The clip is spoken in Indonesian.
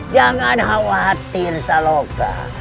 jangan khawatir saloka